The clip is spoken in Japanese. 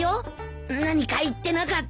何か言ってなかった？